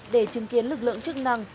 để chứng kiến lực lượng chức năng